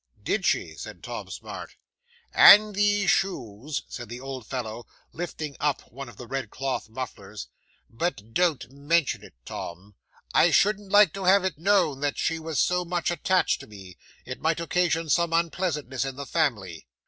'"Did she?" said Tom Smart. '"And these shoes," said the old fellow, lifting up one of the red cloth mufflers; "but don't mention it, Tom. I shouldn't like to have it known that she was so much attached to me. It might occasion some unpleasantness in the family."